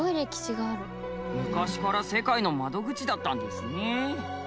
昔から世界の窓口だったんですね。